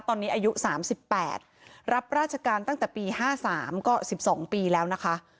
ตอนนี้อายุ๓๘รับราชการตั้งแต่ปี๕๓ก็๑๒ปีแล้วนะคะ